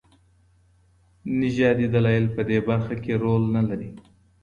نژادي دلايل په دې برخه کي رول نلري.